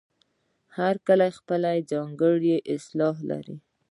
هر کلی خپله ځانګړې اصطلاح لري.